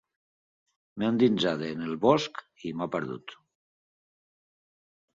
M'he endinsat en el bosc i m'he perdut.